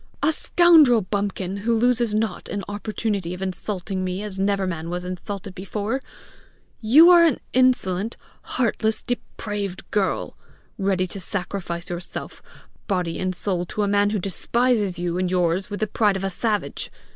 a scoundrel bumpkin who loses not an opportunity of insulting me as never was man insulted before! You are an insolent, heartless, depraved girl! ready to sacrifice yourself, body and soul, to a man who despises you and yours with the pride of a savage!